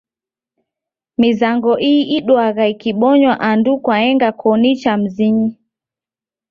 Mizango ii iduagha ikibonywa andu kwaenga koni cha mizinyi.